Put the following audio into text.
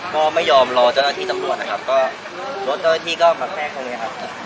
ก็ไม่ยอมรอเจ้าหน้าที่สำรวจนะครับก็รถโดยที่ก็มาแปลงตรงเนี้ยครับ